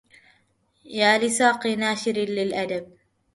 يا لساق ناشر للأدب